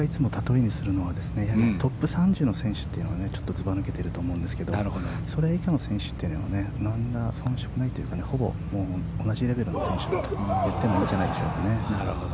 トップ３０の選手というのはずば抜けていると思うんですがそれ以外の選手というのは遜色ないというかほぼ同じレベルの選手といってもいいんじゃないでしょうか。